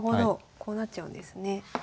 こうなっちゃうんですね。